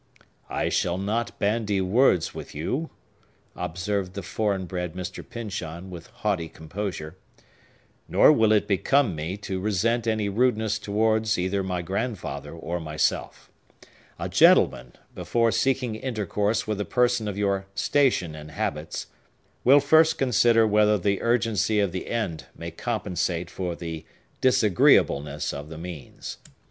"I shall not bandy words with you," observed the foreign bred Mr. Pyncheon, with haughty composure. "Nor will it become me to resent any rudeness towards either my grandfather or myself. A gentleman, before seeking intercourse with a person of your station and habits, will first consider whether the urgency of the end may compensate for the disagreeableness of the means.